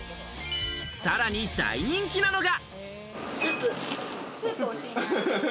さらに大人気なのが。